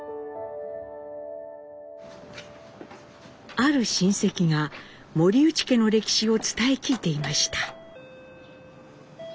ある親戚が森内家の歴史を伝え聞いていました。